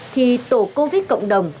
thì tổ covid cộng đồng